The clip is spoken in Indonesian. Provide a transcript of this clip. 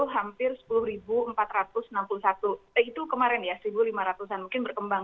hampir sepuluh empat ratus enam puluh satu itu kemarin ya satu lima ratus an mungkin berkembang